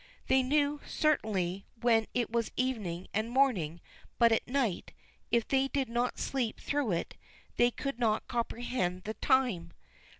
They knew, certainly, when it was evening and morning, but at night, if they did not sleep through it, they could not comprehend the time.